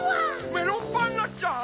メロンパンナちゃん？